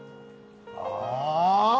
ああ！